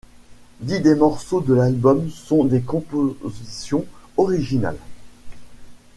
Dix des morceaux de l'album sont des compositions originales.